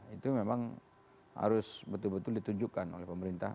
itu memang harus betul betul ditunjukkan oleh pemerintah